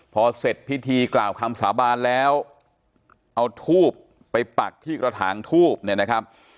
พอเสร็จพิธีกล่าวคำสาบานแล้วเอาทูบไปปักที่กระถางทูบ